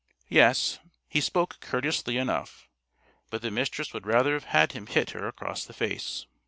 Yes, he spoke courteously enough, but the Mistress would rather have had him hit her across the face.